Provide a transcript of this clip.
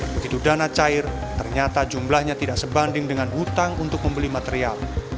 begitu dana cair ternyata jumlahnya tidak sebanding dengan hutang untuk membeli material